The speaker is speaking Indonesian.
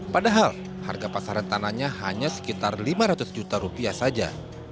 padahal harga pasaran tanahnya hanya sekitar lima ratus juta rupiah saja